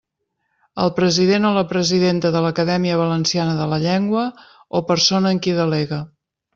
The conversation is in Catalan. El president o la presidenta de l'Acadèmia Valenciana de la Llengua o persona en qui delegue.